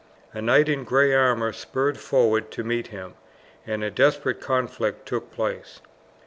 A knight in gray armour spurred forward to meet him, and a desperate conflict took place.